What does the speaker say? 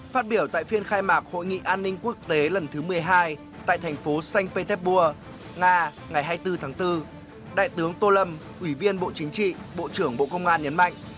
phát biểu tại phiên khai mạc hội nghị an ninh quốc tế lần thứ một mươi hai tại thành phố sanh petersburg nga ngày hai mươi bốn tháng bốn đại tướng tô lâm ủy viên bộ chính trị bộ trưởng bộ công an nhấn mạnh